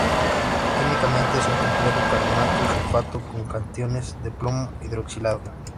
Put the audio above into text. Químicamente es un complejo carbonato-sulfato con cationes de plomo, hidroxilado.